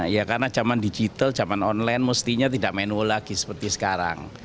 ya karena zaman digital zaman online mestinya tidak menu lagi seperti sekarang